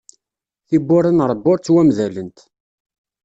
Tibbura n Ṛebbi ur ttwamdalent.